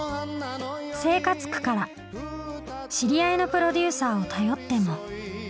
生活苦から知り合いのプロデューサーを頼っても。